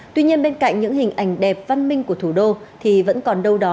tuy nhiên bên cạnh những hình ảnh đẹp văn minh của thủ đô thì vẫn còn đâu đó